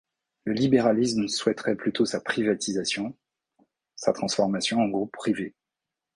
Le libéralisme souhaiterait plutôt sa privatisation, sa transformation en groupe privé.